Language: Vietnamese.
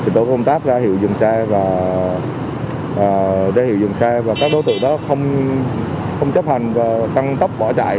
tổ công tác ra hiệu dừng xe và các đối tượng đó không chấp hành và căng tốc bỏ chạy